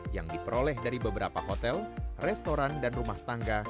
yang diperoleh dari beberapa hotel restoran dan rumah tangga